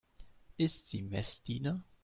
Ist sie Messdiener?